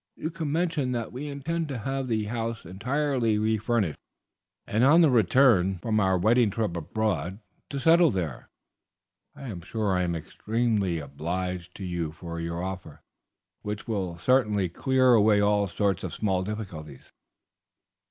You can mention that we intend to have the house entirely refurnished, and on the return from our wedding trip abroad to settle there. I am sure I am extremely obliged to you for your offer, which will certainly clear away all sorts of small difficulties."